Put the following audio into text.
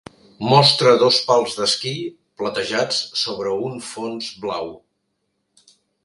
Mostra dos pals d'esquí platejats sobre un fons blau.